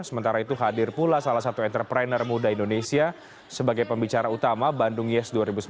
sementara itu hadir pula salah satu entrepreneur muda indonesia sebagai pembicara utama bandung yes dua ribu sembilan belas